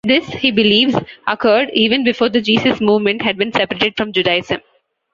This, he believes, occurred even before the Jesus Movement had been separated from Judaism.